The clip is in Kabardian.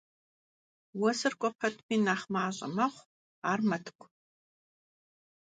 Vuesır k'ue petıxu nexh maş'e mexhu, ar metk'u.